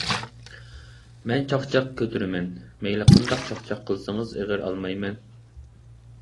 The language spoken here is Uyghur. مەن چاقچاق كۆتۈرىمەن. مەيلى قانداق چاقچاق قىلسىڭىز ئېغىر ئالمايمەن.